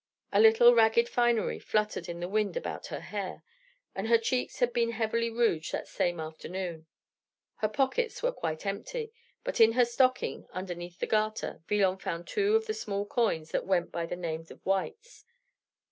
A little ragged finery fluttered in the wind about her hair, and her cheeks had been heavily rouged that same afternoon. Her pockets were quite empty; but in her stocking, underneath the garter, Villon found two of the small coins that went by the name of whites.